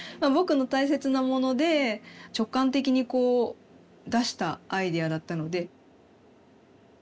「ぼく」の大切なもので直感的にこう出したアイデアだったので。